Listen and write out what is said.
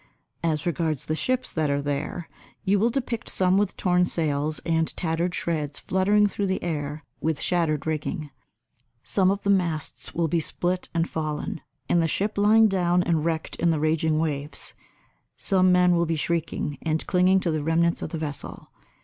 As regards the ships that are there, you will depict some with torn sails and tattered shreds fluttering through the air with shattered rigging; some of the masts will be split and fallen, and the ship lying down and wrecked in the raging waves; some men will be shrieking and clinging to the remnants of the vessel.